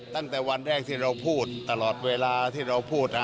ตั้งแต่วันแรกที่เราพูดตลอดเวลาที่เราพูด